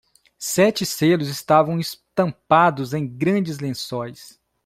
Sete selos estavam estampados em grandes lençóis.